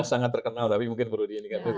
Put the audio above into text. udah sangat terkenal tapi mungkin baru dia ini